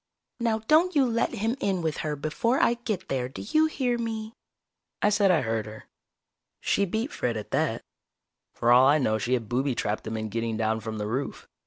Now don't you let him in with her before I get there, do you hear me?" I said I heard her. She beat Fred at that. For all I know she had booby trapped them in getting down from the roof.